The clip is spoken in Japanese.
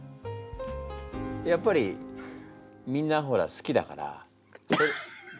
やっぱりみんなほら好きだから。